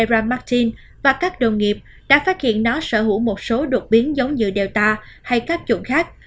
sarah martin và các đồng nghiệp đã phát hiện nó sở hữu một số đột biến giống như delta hay các chủng khác